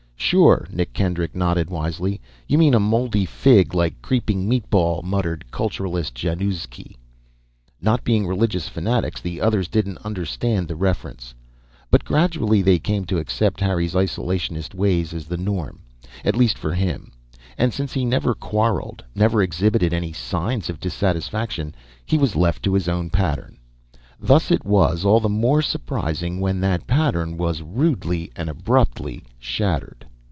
"Sure," Nick Kendrick nodded, wisely. "You mean a Mouldy Fig, like." "Creeping Meatball," muttered cultist Januzki. Not being religious fanatics, the others didn't understand the reference. But gradually they came to accept Harry's isolationist ways as the norm at least, for him. And since he never quarreled, never exhibited any signs of dissatisfaction, he was left to his own pattern. Thus it was all the more surprising when that pattern was rudely and abruptly shattered.